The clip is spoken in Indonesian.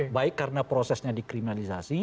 baik karena prosesnya dikriminalisasi